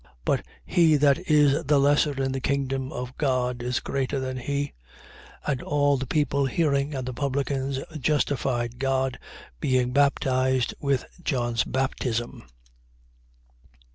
But he that is the lesser in the kingdom of God is greater than he. 7:29. And all the people hearing, and the publicans, justified God, being baptized with John's baptism.